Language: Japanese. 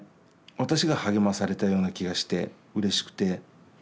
私が励まされたような気がしてうれしくて。